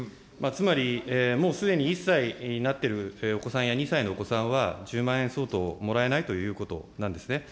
つまりもうすでに１歳になっているお子さんや２歳のお子さんは、１０万円相当、もらえないということなんですね。